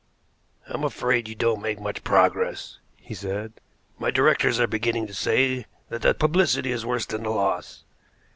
"I'm afraid you don't make much progress," he said. "My directors are beginning to say that the publicity is worse than the loss."